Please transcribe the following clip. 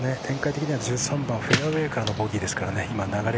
１３番、フェアウエーからのボギーですからね。